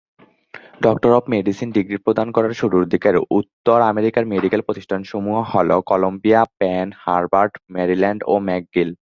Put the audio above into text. Doctor of medicine degree প্রদান করার শুরুর দিকের উত্তর আমেরিকার মেডিক্যাল প্রতিষ্ঠানসমূহ হল কলাম্বিয়া, পেন, হার্ভার্ড, ম্যারিল্যান্ড ও ম্যাকগিল।